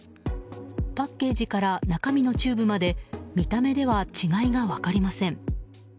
パッケージから中身のチューブまで見た目では違いが分かりません。